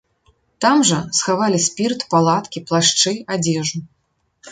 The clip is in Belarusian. Там жа схавалі спірт, палаткі, плашчы, адзежу.